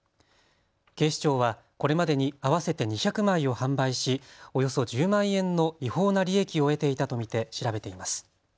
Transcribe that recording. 警視庁はこれまでに合わせて２００枚を販売しおよそ１０万円の違法な利益を得ていたと見て調べています。